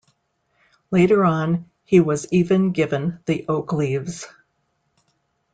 Later on he was even given the Oak Leaves.